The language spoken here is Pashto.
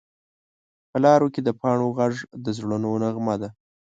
په لارو کې د پاڼو غږ د زړونو نغمه ده